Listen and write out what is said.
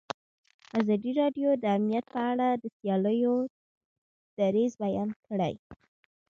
ازادي راډیو د امنیت په اړه د سیاستوالو دریځ بیان کړی.